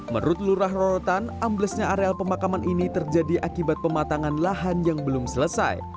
menurut lurah rorotan amblesnya areal pemakaman ini terjadi akibat pematangan lahan yang belum selesai